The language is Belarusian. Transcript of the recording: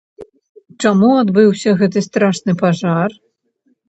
Чаму адбыўся гэты страшны пажар?